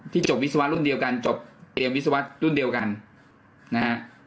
จบวิศวะรุ่นเดียวกันจบเตรียมวิศวะรุ่นเดียวกันนะฮะ